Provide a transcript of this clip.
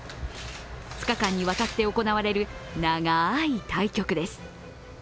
２日間にわたって行われる長い対局です。